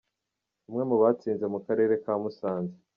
Umwe mu batsinze mu karere ka Musanze .